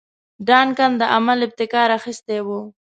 ډنکن د عمل ابتکار اخیستی وو.